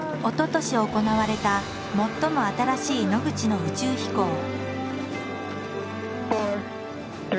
おととし行われた最も新しい野口の宇宙飛行。